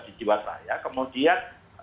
di jiwasraya kemudian